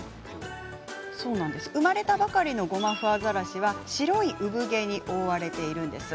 生まれたばかりのゴマフアザラシは白い産毛に覆われているんです。